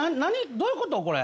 どういうことこれ？